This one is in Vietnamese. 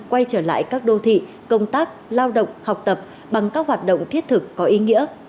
quay trở lại các đô thị công tác lao động học tập bằng các hoạt động thiết thực có ý nghĩa